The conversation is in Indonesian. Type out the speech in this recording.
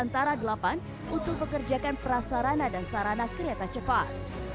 dan nusantara delapan untuk pekerjakan prasarana dan sarana kereta cepat